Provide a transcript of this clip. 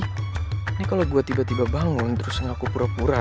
ini kalau gue tiba tiba bangun terus ngaku pura pura